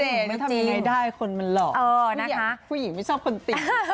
ถ้าเจนไม่ทำยังไงได้คนมันหล่อผู้หญิงไม่ชอบคนตี